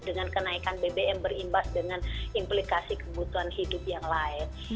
dengan kenaikan bbm berimbas dengan implikasi kebutuhan hidup yang lain